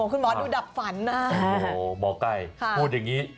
คุณหมอดูดับฝันนะโอ้โหหมอไก่พูดอย่างนี้